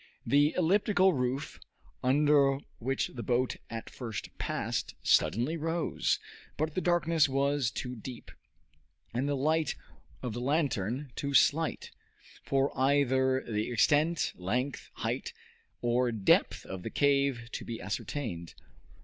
The elliptical roof, under which the boat at first passed, suddenly rose; but the darkness was too deep, and the light of the lantern too slight, for either the extent, length, height, or depth of the cave to be ascertained.